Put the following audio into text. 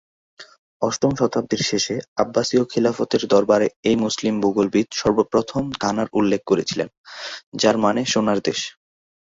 অষ্টম শতাব্দীর শেষে, আব্বাসিয় খিলাফতের দরবারে এই মুসলিম ভূগোলবিদ সর্বপ্রথম ঘানার উল্লেখ করেছিলেন, যার মানে "সোনার দেশ"।